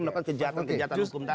melakukan kejahatan kejahatan hukum tadi